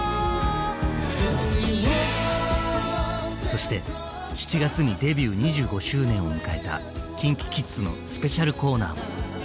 そして７月にデビュー２５周年を迎えたＫｉｎＫｉＫｉｄｓのスペシャルコーナーも。